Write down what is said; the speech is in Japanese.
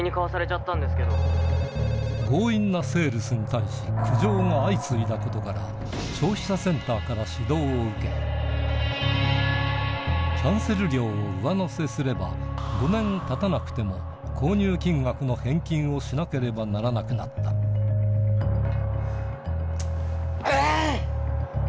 強引なセールスに対し苦情が相次いだことからを受けキャンセル料を上乗せすれば５年たたなくても購入金額の返金をしなければならなくなったえい！